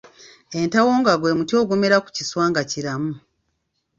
Entawongwa gwe muti ogumera mu kiswa nga kiramu.